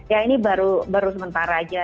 ya ini baru sementara aja